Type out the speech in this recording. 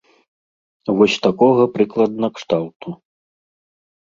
Вось такога прыкладна кшталту.